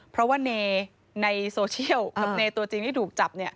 เพราะว่าเนในโซเชียลกับเนตัวจริงที่ถูกจับเนี่ย